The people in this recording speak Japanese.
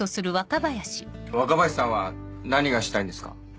若林さんは何がしたいんですか？